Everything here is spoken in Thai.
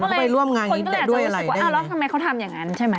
ไปร่วมงานคนก็เลยอาจจะรู้สึกว่าอ้าวแล้วทำไมเขาทำอย่างนั้นใช่ไหม